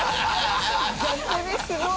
逆にすごい！